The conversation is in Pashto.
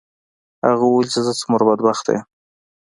هغه وویل چې زه څومره بدبخته یم.